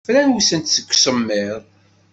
Frawsent seg usemmiḍ.